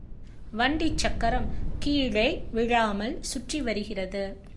வண்டிச் சக்கரம் கீழே விழாமல் சுற்றி வருகிறது.